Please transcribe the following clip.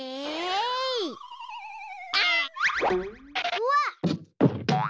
うわっ！